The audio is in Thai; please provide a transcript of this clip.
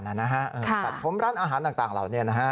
ตัดพร้อมร้านอาหารต่างเหล่านี้